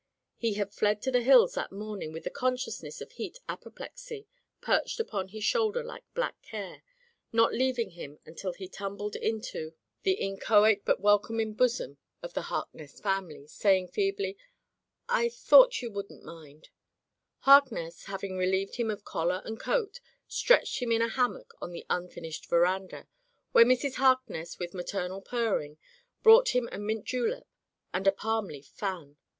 He had fled to the hills that morn ing with the consciousness of heat apoplexy perched upon his shoulder like black care, not leaving him until he tumbled into the in [313 1 Digitized by LjOOQ IC Interventions choate but welcoming bosom of the Harkness family, saying feebly, "I — thought you wouldn't mind/* Harkness, having relieved him of collar and coat, stretched him in a hammock on the unfinished veranda, where Mrs. Harkness, with maternal purring, brought him a mint julep and a palm leaf fan.